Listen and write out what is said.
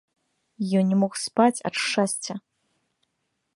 Ён не мог спаць ад шчасця.